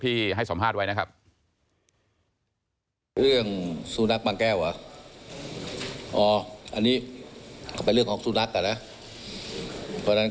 ยกที่ให้สอบภาษณ์ไว้นะครับ